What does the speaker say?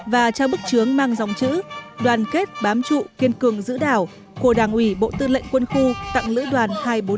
và trao bức chướng mang dòng chữ đoàn kết bám trụ kiên cường giữ đảo của đảng ủy bộ tư lệnh quân khu tặng lữ đoàn hai trăm bốn mươi năm